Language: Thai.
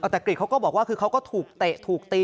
แต่กริจเขาก็บอกว่าคือเขาก็ถูกเตะถูกตี